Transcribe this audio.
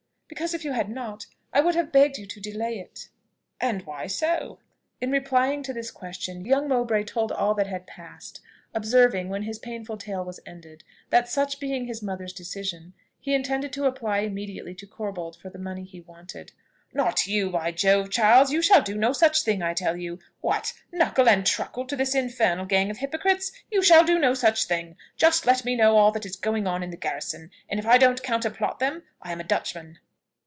"Because, if you had not, I would have begged you to delay it." "And why so?" In reply to this question, young Mowbray told all that had passed; observing, when his painful tale was ended, that such being his mother's decision, he intended to apply immediately to Corbold for the money he wanted. "Not you, by Jove, Charles! You shall do no such thing, I tell you! What! knuckle and truckle to this infernal gang of hypocrites! You shall do no such thing. Just let me know all that is going on in the garrison, and if I don't counterplot them, I am a Dutchman."